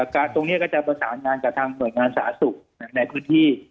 ตรงนี้ก็จะประสานงานกับทางหน่วยงานสาธารณสุขในพื้นที่